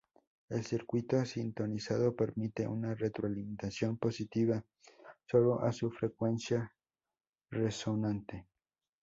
El circuito sintonizado permite una retroalimentación positiva solo a su frecuencia resonante.